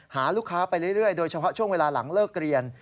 หาลูกค้าไปเรื่อยโดยเฉพาะช่วงเวลาหลังเลิกเรียน